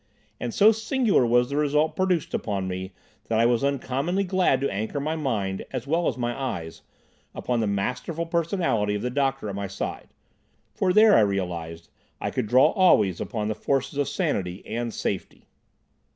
And so singular was the result produced upon me that I was uncommonly glad to anchor my mind, as well as my eyes, upon the masterful personality of the doctor at my side, for there, I realised, I could draw always upon the forces of sanity and safety.